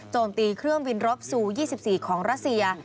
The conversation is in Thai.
ตีเครื่องบินรบซู๒๔ของรัสเซีย